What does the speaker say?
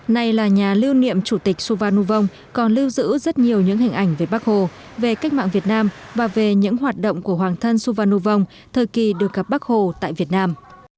này là nhà lưu niệm chủ tịch su van nu vong còn lưu giữ rất nhiều những hình ảnh về bác hồ về cách mạng việt nam và về những hoạt động của hoàng thân su van nu vong thời kỳ được gặp bác hồ tại việt nam